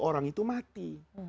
orang itu mati